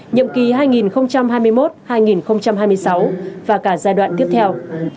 nhiệm kỳ hai nghìn hai mươi một hai nghìn hai mươi sáu và cả giai đoạn tiếp theo